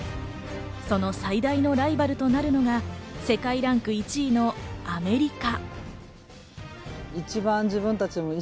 その最大のライバルとなるのが世界ランク１位のアメリカ。